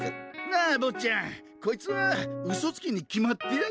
なあ坊っちゃんこいつはウソつきに決まってやがる！